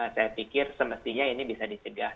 saya pikir semestinya ini bisa dicegah